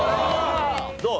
どう？